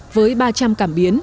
với ba trăm linh cảm biến